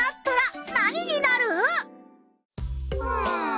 うん。